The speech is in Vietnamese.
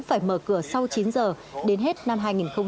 phải mở cửa sau chín giờ đến hết năm hai nghìn hai mươi